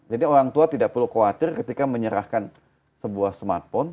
jadi orang tua tidak perlu khawatir ketika menyerahkan sebuah smartphone